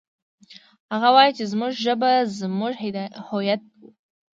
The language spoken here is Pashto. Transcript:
هغه وایي چې زموږ ژبه زموږ هویت ده